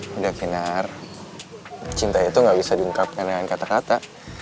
sudah kinar cinta itu gak bisa diungkapkan dengan kata kata